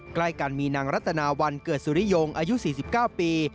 ใกล้กันมีนางรัตนาวันเกิดสุริยงอายุ๔๙ปี